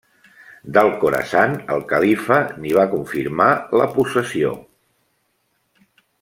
Del Khorasan el califa n'hi va confirmar la possessió.